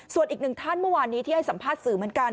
ส่วนอีกหนึ่งท่านเมื่อวานนี้ที่ให้สัมภาษณ์สื่อเหมือนกัน